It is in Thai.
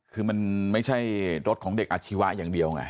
คือมันไม่ใช่รถของเด็กอาชีวะอย่างเดียวไง